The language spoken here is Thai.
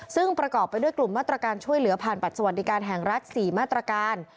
ซึ่งประกอบไปด้วยกลุ่มมาตรการช่วยเหลือผ่านบัตรสวัสดิการแห่งรัฐ๔มาตรการ